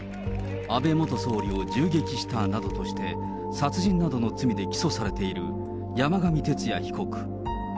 安倍元総理を銃撃したなどとして、殺人などの罪で起訴されている山上徹也被告。